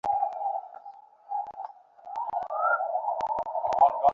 টাকার ব্যবস্থা হয়ে গেছে।